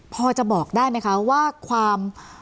พอจะบอกได้ไหมคะว่าความ